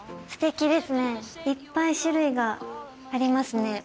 ステキですねいっぱい種類がありますね。